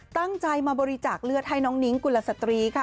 ตั้งใจมาบริจาคเลือดให้น้องนิ้งกุลสตรีค่ะ